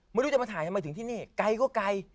ไม่รู้จะมาถ่ายทำไมถึงที่นี่ไกลก็ไกล